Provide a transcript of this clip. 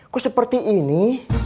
kok seperti ini